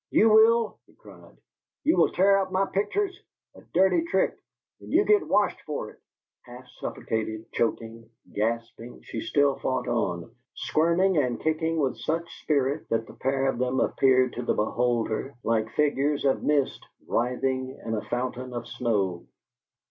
"You will!" he cried. "You will tear up my pictures! A dirty trick, and you get washed for it!" Half suffocated, choking, gasping, she still fought on, squirming and kicking with such spirit that the pair of them appeared to the beholder like figures of mist writhing in a fountain of snow.